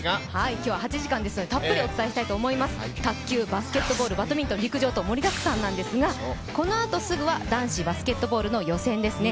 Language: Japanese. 今日は８時間なのでたっぷりお伝えしたいと思います、卓球、バスケットボール、バドミントン、陸上と盛りだくさんなんですが、このあとすぐは男子バスケットボールの予選ですね。